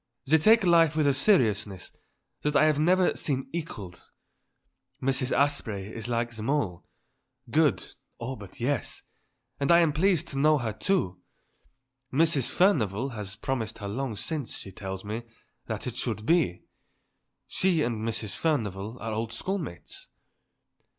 They take life with a seriousness that I have never seen equalled. Mrs. Asprey is like them all; good, oh, but yes. And I am pleased to know her, too. Mrs. Furnivall had promised her long since, she tells me, that it should be. She and Mrs. Furnivall are old school mates."